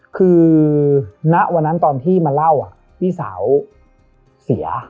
คือณวันนั้นตอนที่มาเล่าพี่สาวเสีย